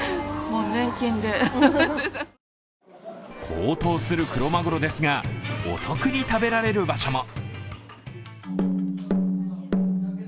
高騰するクロマグロですがお得に食べられる場所も。